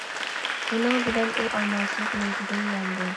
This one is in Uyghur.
بۇنىڭ بىلەن ئۇ ئامالسىز نىيىتىدىن ياندى.